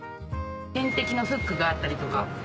点滴のフックがあったりとか。